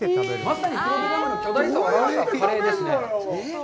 まさに黒部ダムの巨大さをあらわしたカレーですね。